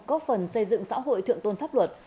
góp phần xây dựng xã hội thượng tôn pháp luật